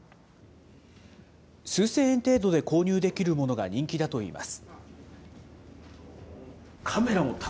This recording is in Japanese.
数千円程度で購入できるものが人気だといいます。